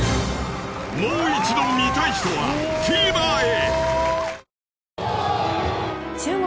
もう一度見たい人はＴＶｅｒへ！